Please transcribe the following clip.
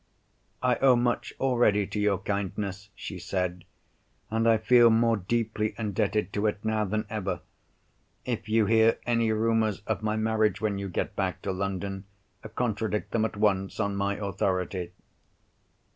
"I owe much already to your kindness," she said. "And I feel more deeply indebted to it now than ever. If you hear any rumours of my marriage when you get back to London contradict them at once, on my authority."